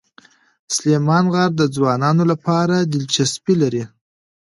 سلیمان غر د ځوانانو لپاره دلچسپي لري.